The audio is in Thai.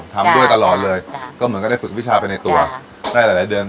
ทำด้วยตลอดเลยก็เหมือนกันได้ฝึกวิชาไปในตัวได้หลายหลายเดือน